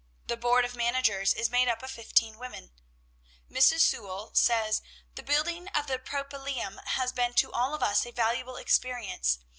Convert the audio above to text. The board of managers is made up of fifteen women. "Mrs. Sewall says, 'The building of the Propylæum has been to all of us a valuable experience.